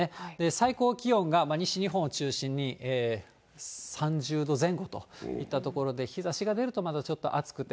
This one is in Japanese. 最高気温が西日本を中心に３０度前後といったところで、日ざしが出ると、またちょっと暑くて。